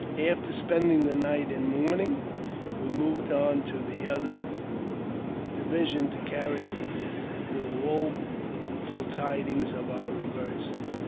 After spending the night in mourning, we moved on to the other division, to carry the woeful tidings of our reverse.